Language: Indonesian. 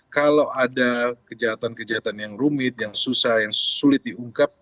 kalau ada kejahatan kejahatan yang rumit yang susah yang sulit diungkap